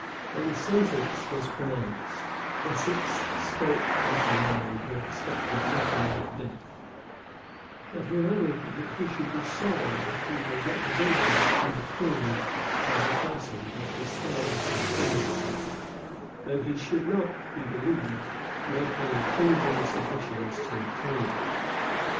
[*]* Bacon, vol. iv. p. 530. When sentence was pronounced, Essex spoke like a man who expected nothing but death; but he added, that he should be sorry if he were represented to the queen as a person that despised her clemency; though he should not, he believed, make any cringing submissions to obtain it.